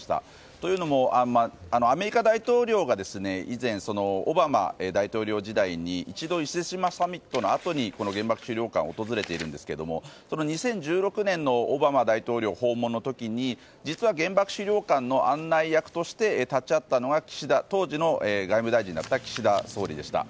というのもアメリカ大統領が以前、オバマ大統領時代に一度、伊勢志摩サミットのあとに原爆資料館を訪れているんですが２０１６年のオバマ大統領訪問の時に実は原爆資料館の案内役として立ち会ったのが当時の外務大臣だった岸田総理でした。